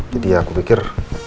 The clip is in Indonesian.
jadi ya aku pikir